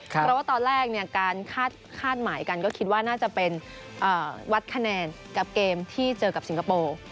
เพราะว่าตอนแรกการคาดหมายกันก็คิดว่าน่าจะเป็นวัดคะแนนกับเกมที่เจอกับสิงคโปร์